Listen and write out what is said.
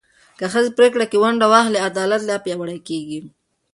که ښځې په پرېکړو کې ونډه واخلي، عدالت لا پیاوړی کېږي.